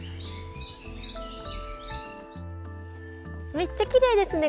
めっちゃきれいですね